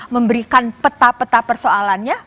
memberikan peta peta persoalan ini